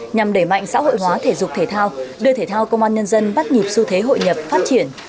nhằm đẩy mạnh xã hội hóa thể dục thể thao đưa thể thao công an nhân dân bắt nhịp xu thế hội nhập phát triển